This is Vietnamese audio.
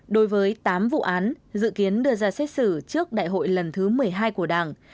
đối với tám vụ án dự kiến đưa ra xét xử trước đại hội lần thứ một mươi hai của đảng